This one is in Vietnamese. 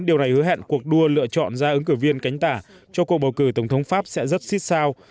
điều này hứa hẹn cuộc đua lựa chọn ra ứng cử viên cánh tả cho cuộc bầu cử tổng thống pháp sẽ rất xích sao